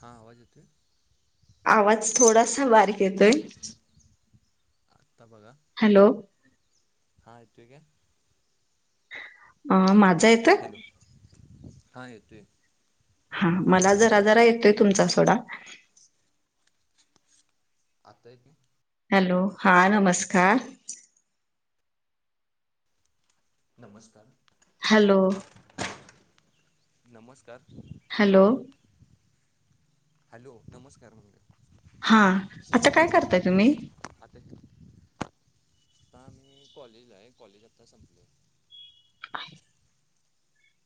हां आवाज येतोय? आवाज थोडासा बारीक येतोय. आता बघा. हॅलो. हा ठीके? अ माझा येतोय? हॅलो. हां येतोय. हा मला जरा जरा येतोय तुमचा सोडा. आता येतोय? हॅलो. हा नमस्कार. नमस्कार. हॅलो. नमस्कार. हॅलो! हॅलो नमस्कार हा, आता काय करताय तुम्ही? आता आता मी कॉलेजला आहे, कॉलेज आता संपलय.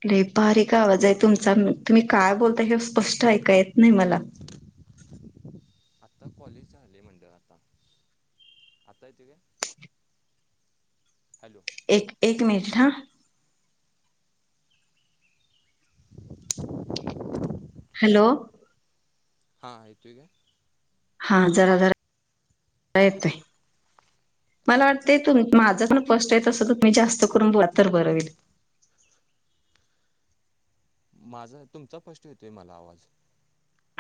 नाहीे हॅलो बारीक आवाज हाय तुमचा तुम्ही काय बोलताय हे स्पष्ट ऐका येत नाही मला. आता कॉलेज झालय म्हणलं आताय तुमीक, हॅलो एक एक मिनट हां [inaudible] हॅलो! हां एतोय काय? हा जरा जरा येतोय मला वाटतंय तु माझं पण फस्ट आहे तसं तर म्ी जास्त करून बोललं तर बर होईल. माझा तुमचा फश्ट येतोय मला आवाज.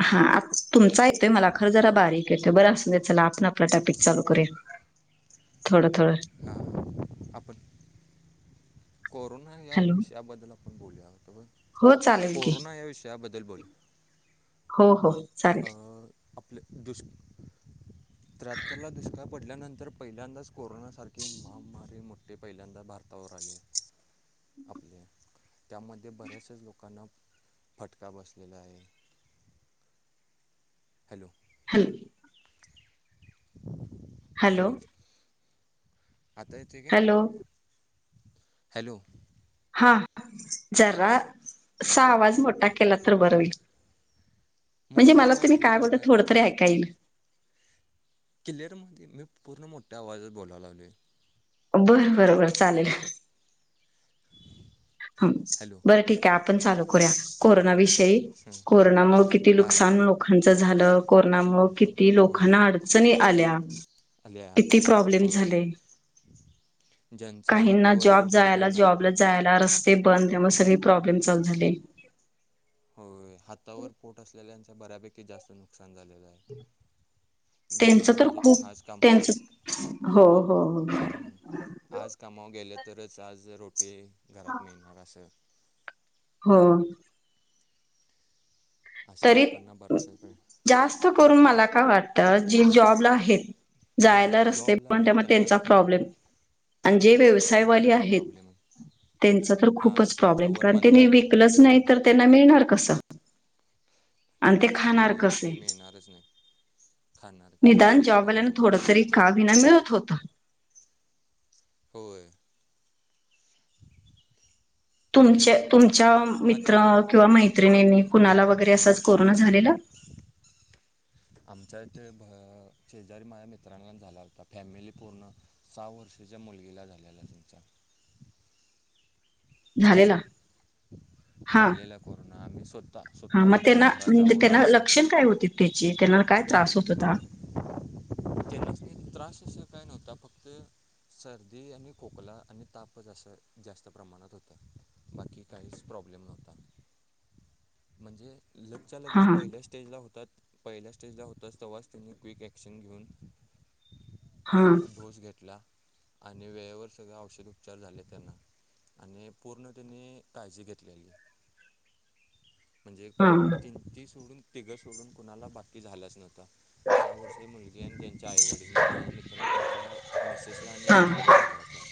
हा आ तुमचा येतोय मला खरं जरा बारीक येतोय बरं असूदे चला, आपण आपलं टॉपिक चालू करूया. थोडं थोडं हां आपण कोरोना या हॅलो विषयाबद्दल आपण बोलया होतो ब हो चालेल की कोरोना या विषयाबद्दल बोल, हो हो चालेल अं आपलं दुष त्र्याहत्तर ला दुष्काळ पडल्यानंतर पहिल्यांदाच कोरोनासारखी महामारी लय मोठठी पहिल्यांदा भारतावर आली आहे आपल्या, त्यामध्ये बऱ्याचच लोकांना फटका बसलेला आहे. हॅलो! हॅल् हॅलो! आता येतुय काय,, हॅलो हॅलो. हा, जरासा आवाज मोठा केला तर बरं होईल. म्हणजे मोठा मला आवाज तुम्ही आणि काय बोलत केवढा थोडं तरी ऐका ईल. क्लिअरमध्ये मी पूर्ण मोठ्या आवाजात बोला लागलोय. बर बर चालेल. [unintelligible] हं, हॅलो बरं ठीकाय आपण चालू करूया. कोरोनाविषयी, कोरोनामुळं किती हां नुकसान लोकांचं झालं कोरोनामुळं किती होय लोकांना अडचणी आल्या आल्या किती प्रॉब्लेम होय झाले, ज्यांच्या काहींना हातावर जॉब पोट आहे जायला त्यांना जॉबला जायला रस्ते बंद, त्यामुळं सगळे प्रॉब्लेम चालू झाले होय, हातावर पोट असलेल्यांच बऱ्यापैकी जास्त नुकसान झालेलं आहे. त्यांच ज्यांना तर म्हणजे खूप, आज काम त्यांच हो हो हो हम्म. आज कामावर गेलं तरचं आज रोटी, घरात मिळणार असं हों. अशा तरी, लोकांना बराचसा पण जास्त करून मला काय वाट तर जे जॉबला आहेत, जायला हां रस्ते जॉबला बंद आहेत त्यामुळे त्यांचा त्यांनाच पण प्रॉब्लेम अनं जे व्यवसाय साय वाली त्यांचा आहेत, प्रॉब्लेम आहे त्यांचा तर हां खूपच प्राॅब्लेम त्यांच्यावर कारण मंदे त्यांनी काय आले विकलच नाही तर त्यांना मिळणार कसं आणि ते खाणार होय कसे ते मिळणारच नाही खाणार कसे निदान जाॅबवाल्याना पिकणारच नाही काय थोडं तरी काहींना मिळत होतं. होय. तुमच्या, तुमच्या मग आता मित्रा किंवा मैत्रिणींनी कुणाला वगैरे असंच कोरोना झालेला? [inaudible] आमच्या इथे शेजारी माझ्या मित्रांना झाला होता फॅमिली पूर्ण सहा वर्षाच्या मुलगीला झालेला त्यांचा झाले हॅलो ना हां, झालेला कोरोना आम्ही स्वतः हां स्वतः मग त्यांच्या त्यांना घरात म्हणजे जाऊन त्यांना औषध लक्षण काय होतीत. त्यांची, तेला काय त्रास होत होता. त्यांनाच नाही त्रास असं काय नव्हता फक्त सर्दी आणि खोकला आणि तापच असं जास्त प्रमाणात होता बाकी काहीच प्रॉब्लेम नव्हता. म्हणजे लगच्या हा लगेच हा पहिले चं स्टेजला होतात पहिल्या स्टेजला होताच तेव्हाच त्यांनी क्विक ॲक्शन घेऊन--न आणि हा डोस घेतला आणि वेळेवर सगळे औषध उपचार झाले त्यांना आणि पूर्ण त्यांनी काळजी घेतलेली. म्हणजे तिनं, ती सोडून तिघं सोडून कुणाला बाकी झालाच नव्हता. सहा वर्षांची मुलगी आणि त्यांच्या आईवडील, म्हणजे माझा मित्र त्यांच्या मिसेसला आणि हा मुलगीला झाला होता.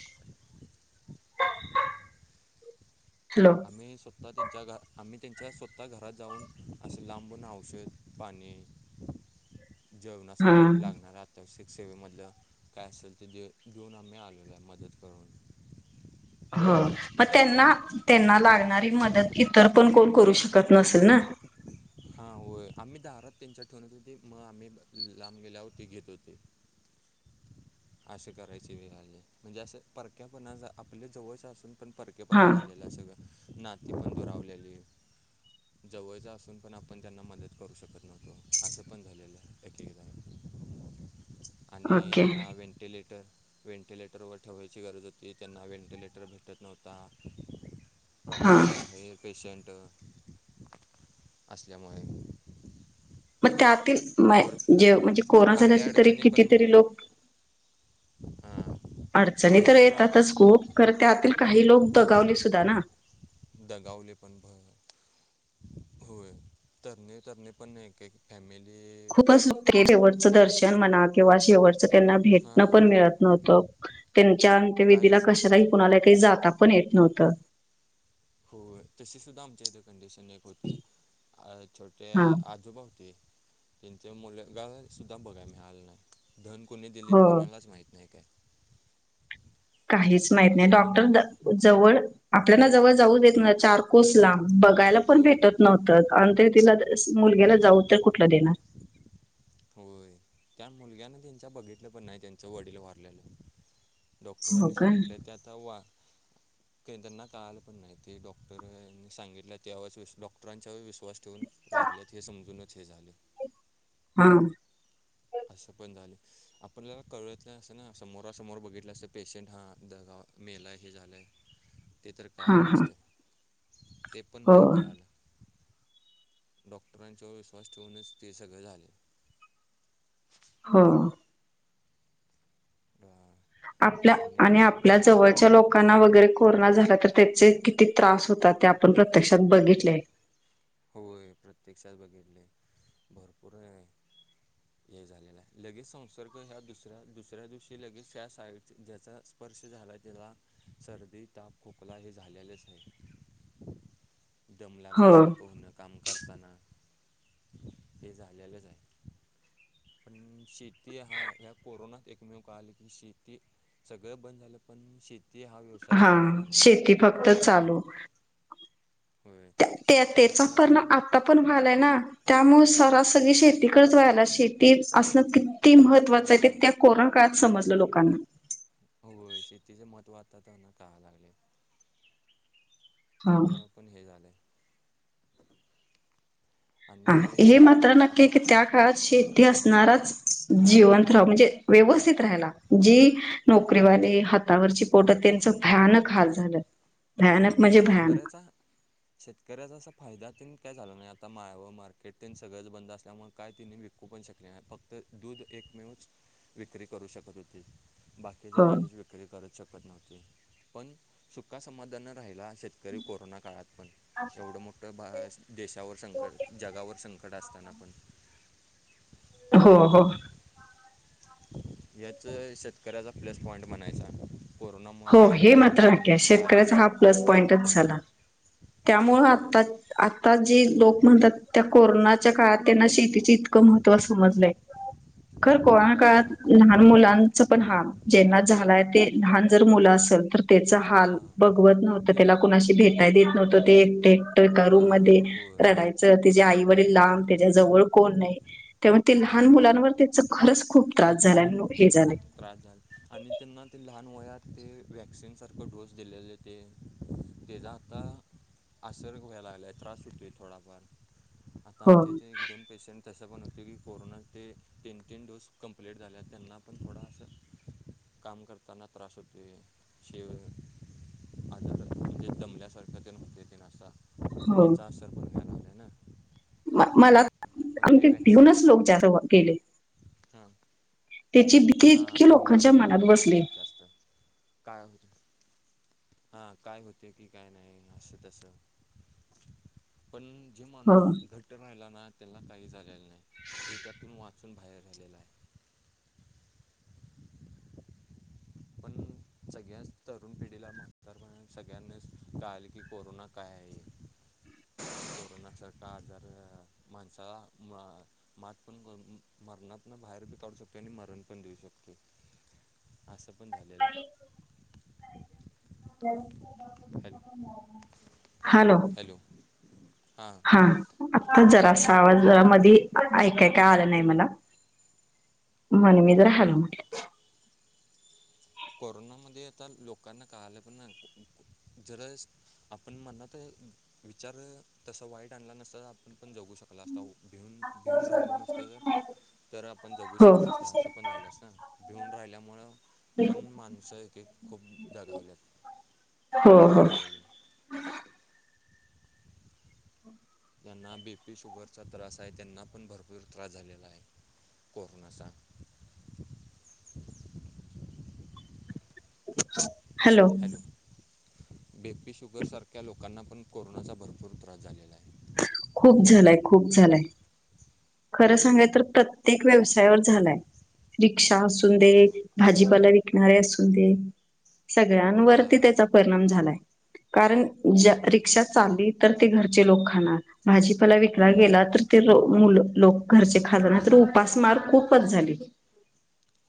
हॅलो आम्ही स्व स्वतः त्यांच्या घरा, आम्ही त्यांच्या स्वतः घरात जाऊन असे लांबून औषध पाणी [inaudible] हा जेवणासाठी लागणारा त्याव सिक सेवेमधलं काय असेल ते दे, देेऊन आम्ही आलेलं आहे मदत करूंन. हो त्यांना, त्यांना लागणारी मदत इतर पण कोण करू शकत नसेल ना. हां होय आम्ही दारात त्यांच्या ठेवून येत होती मग आम्ही लांब गेल्यावरती ते घेत होतीत. [inaudible] असं करायची वेळ आली, म्हणजे असे परक्या पणाचा आपल्या जवळच्या असून पण पर हा परकेपणा झालेला सगळा नाती पण दुरावलेली जवळचं असु असुन पण आपण त्यांना मदत करू शकत नव्हतो असं पण झालेलं आहे एकेकदा [inaudible] आणि त्यांना व्हेंटिलेटर व्हेंटिलेटरवर ठेवायची गरज होती त्यांना व्हेंटिलेटर भेटत नव्हता हा प्रमाणाच्या बाहेर पेशंट. असल्यामुळे. मग भर त्यातील जे म्हणजे कोरोना झाले आड्या असे तरी अडचणी पण कितीतरी भर लोक. अडचणी तर भरपूर आ येतातच खूप ख त्यातील काही लोक दगावले सुद्धा ना. दगावले पण भर. होय तरणे-तरणे पण एक-एक फॅमिली खूपचते शेवटचं दर्शन म्हणा किंवा शेवट. त्यांना भेटण हां पण मिळत न्हवत त्यांच्या अंत विधीला काहीच नाही कशाला कुणाला काही जाता पण येत नव्हतं. हो तशी सुद्धा आमच्या इथे कंडिशन एक होती. अ छोटे हा आजोबा होते. त्यांच्या मुलगा सुुद्धा बघाय मिळालं नाही, धन कोणी हो. दिलेत कुणालाच माहीत नाही काय काहीच माहत नाही,, असं पण झालं डॉक्टर जवळ आपल्याला जवळ जाऊ देत नाही चार. कुसला,, बघायला पण होय भेटत नव्हतं, आणि ते तिला मुलगीला होय जाऊ तर कुठलं देणार. होय, त्या मुलग्याना त्यांच्या बघितलं पण नाही त्यांचं वडील वारलेलं. हो डॉक्टरांनी का सांगितलय ते आता वा त्यांना काळालं पण नाही,, ते डॉक्टरनी सांगितल्या तेव डॉक्टरांच्यावर विश्वास ठेवून वारल्यात हे समजूनच हे झालं हा. असं पण झालं. आपण ज कळतलं नसतं ना समोरासमोर बघितलं असत पेशंट हा दगा मेलाय हे झालंय. [inaudible] ते तर हा कळालं हा असतं, ते पण हो नाही कळालं. डॉक्टरांच्यावर विश्वास ठिवूनच ते सगळं झालं. हं. [inaudible] हां आपल्या, आणी आपल्या जवळच्या लोका कांना वगैरे कोरोना झाला तर त्याचे किती त्रास होतात, ते आपण प्रत्यक्षात बघितलेय. होय प्रत्यक्षात बघितलय,, भरपूर आह [inaudible] हे झालेलं आहे, लगेच संसर्ग ह्या दुसऱ्या दुसऱ्या दिवशी लगेच त्या साईड ज्याचा स्पर्श झालाय त्याला, सर्दी ताप खोकला हे झालेलेच आहे. दम लागल्या हो सारखं होणं काम करताना, हे झालेलंच आहे. पण शेती हा,, ह्या कोरोनात एकमेव कळालं की शेती. सगळं बंद झालं,, पण शेती हा व्यवसाय हा बंद झाला नाही, शेती फक्त ते पण चालू होय‌. त्या त्या त्याचा परिणाम आप आता पण व्हालाय ना,, त्यामुळं सरास सगळी शेती कडंच वळाल्या, शेती असणं कि ती महत्वाचं आहे ते हां त्या कोरोना काळात समजलं लोकांना. हो शेतीचं महत्व आता त्यांना कळा लागलय. हा त्यामुळं पण हे झालय. हा, हे मात्र नक्की की त्या काळात शेती असणाराच. हां जीवंत राहू, म्हणजे व्यवस्थित राहायला जी हां नोकरीवाले,, हातावरची पोटं, त्यांचं पण भयानक हाल झालं, भयानक पण म्हणजे भयानक. शेतकऱ्याचा शेतकऱ्याचा असं फायद्यातन काय झाला नाही, आता माळं मार्केट ते सगळंच बंद असल्यामुळं काय तिने विकू पण शकले नाही,, फक्त दूध एकमेवच विक्री करू शकत होतीत बाकीचे हो काहीच विक्री करू शकत नव्हते, पण सुका समाधान राहिला शेतकरी कोरोना काळात पण,, एवढं मोठं बाहेर देशावर संकट, जगावर संकट असताना पण. हो हो. याच शेतकऱ्याचा प्लस पॉइंट म्हणायचा. कोरोनामुळं हो हे शेतकऱ्यापन मात्र नक्की आहे. किंमत कळाली शेतकऱ्याचा हा प्लस पॉईंटच झाला,, त्यामुळं आली आता आता जे लोक म्हणतात, त्या कोरोनाच्या काळात त्यांना शेतीच इतकं महत्त्व समजलंय खर कोरोना काळात हां लहान मुलांच पण हा. ज्यांना झालाय ते लहान- जरि मुलं असेल तर - त्याच हाल हां बघवत नव्हतं. ते त्याला कोणाशी भेटाय देत नव्हतं. ते एकट एकट एका रूम हां मध्ये- होय रडायचं. त्याचे आई वडील लांब त्याच्या जवळ कोण नाही. त्यामुळं ते लहान होय मुलांवर त्याच- खरंच खूप त्रास झालाय. हे झालंय. त्रास झाला. आणि त्यांना ते लहान वयात ते वॅक्सिन सारखं डोस दिलेले ते. त्याचा आता आसर व्हायला लागला. त्रास होतोय थोडाफार. हो. आमच्या इथे एक दोन पेशंट तसे पण होते की कोरोनाचे तीन तीन डोस कंमप्लीट झाले आहेत त्यांना- पण थोडा असं [unintelligible] काम करताना त्रास होतोय. [unintelligible] दमल्यासारखं होतय तेन असा. त्याचा आसर पण [unintelligible] म मला पण आणि ते वॅक्सिन भिऊनच लोक जादा गेले. हां. त्याची [unintelligible] हां. भिऊून लोकांच्या पणच मनात मेलेले बसली आहेत जास्त. काय हो- हां. काय होतय की काय नाही असं तसं. पण जो हो माणूस घट - -ट्ट राहिला ना? त्यांना काही झालेलं नाही. तो त्यातून वाचून बाहेर राहिलेला ए. पण सगळ्याच तरुण पिढीला म्हाताऱ्याना पण सगळ्यांनाच कळालं की कोरोना काय आहे. कोरोनाच्या काळात जर माणसाला म - मात पण मरणातन बाहेर पण काढू शकतोय आणि मरण पण देऊ शकतोय. असं पण झालेलं आहे. Hello [unintelligible] hello. हां. आत्ता जरा असा आवाज मधे ऐकाय काय आला नाही मला. म्हणून मी जरा कोरोना हॅलो म्हटलं. कोरोनामध्ये आता लोकांना कळालं पण नाही को को जरा [unintelligible] आपण मनात विचार तसा वाईट आणला नसता तर आपण पण जगू शकतो. [unintelligible] असता भिऊन भिऊन राहिलो नसतो तर- तर आपण जगू हो शकलो असतो. असं पण झालं ना? भिऊन राहिल्यामुळं- पण माणसं एक एक खूप दगावल्यात. हो हो वारलेले. ज्यांना बी पी, शुगरचा त्रास आहे. त्यांना पण भरपूर त्रास झालेला आहे कोरोनाचा. हॅलो. बी पी, शुगरसारख्या लोकांना पण कोरोनाचा भरपूर त्रास झालेला आहे. खूप झालाय. खूप झालाय. खरं सांगाय अ, तर प्रत्येक व्यवसायावर झालाय. रिक्षा असून हो दे. भाजीपाला विकणारे असून दे. सगळ्यांवरती हां त्याचा- परिमाण झालाय. कारण हो हो रिक्षा चालली तर ते घरचे लोक- भाजीपाला हो विकला गेला तर ते मुलं- लोक घरचे [unintelligible] खे तर उपासमार खूपच झाली.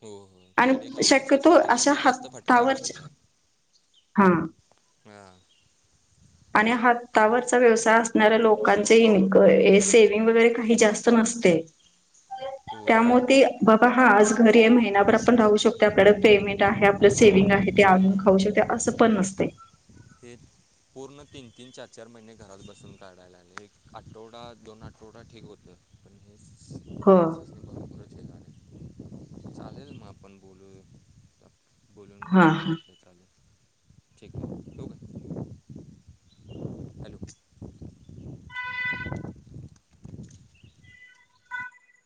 हो. हो. आणि खेडेगावापेक्षा शक्यतो अशा सिटीमध्ये जास्त फटका बसलेला हातावरच्या ए. हा हां. आणि हातावरचा व्यवसाय असणाऱ्या लोकांचेही [unintelligible] सेव्हिंग वगैरे काही जास्त- नसतय. होय त्यामुळे ते बाबा हां आज घरी ए महिनाभर - पण राहू शकते. आपल्याकडे पेमेंट आहे. आपलं सेव्हिंग आहे ते आणून खाऊ शकते असं पण नसतेय. तेच. पूर्ण तीन तीन, चार चार महिने घरात बसून काढायला लागले. एक आठवडा, दोन आठवडा ठीक होत. पण हे हो माणसं- [unintelligible] चालेल मग आपण बोलूया. बोलून हा बर हा वाटलं. चालेल ठीक. ठेवू? हॅलो.